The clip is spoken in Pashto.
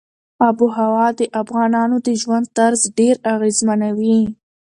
آب وهوا د افغانانو د ژوند طرز ډېر اغېزمنوي.